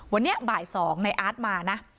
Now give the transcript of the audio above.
วันนี้บ่าย๒ในอาร์ตมานะ